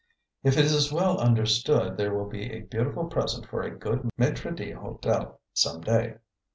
"If it is well understood, there will be a beautiful present for a good maitre d'hotel some day."